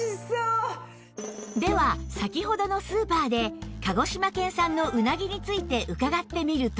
では先ほどのスーパーで鹿児島県産のうなぎについて伺ってみると